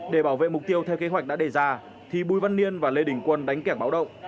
để bảo vệ mục tiêu theo kế hoạch đã đề ra thì bùi văn niên và lê đình quân đánh kẻ báo động